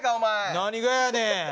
何がやねん。